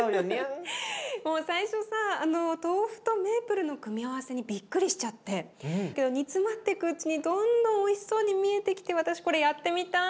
もう最初さ豆腐とメイプルの組み合わせにびっくりしちゃってけど煮詰まってくうちにどんどんおいしそうに見えてきて私これやってみたい。